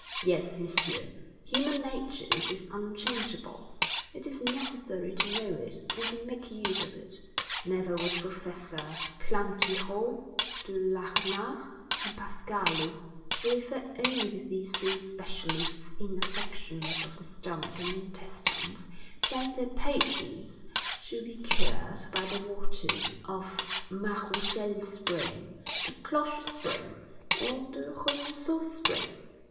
Yes, Messieurs, human nature is unchangeable; it is necessary to know it and to make use of it. Never would Professors Plantureau, De Larenard, and Pascalis, to refer only to these three specialists in affections of the stomach and intestines, send their patients to be cured by the water of the Mas Roussel Spring, the Cloche Spring, or the Remusot Spring.